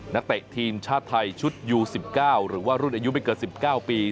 นักแตะทีมชาติไทยชุดยูสิบเก้าหรือว่ารุ่นอายุไม่เก่าสิบเก้าปี